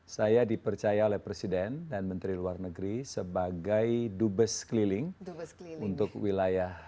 saya dipercaya oleh presiden dan menteri luar negeri sebagai dubes keliling untuk wilayah